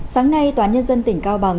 sáng nay tòa nhân dân tỉnh cao bằng